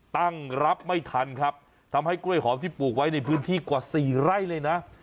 ตั้งรับไม่ทันครับทำให้กล้วยหอมที่ปลูกไว้ในพื้นที่กว่าสี่ไร่เลยนะ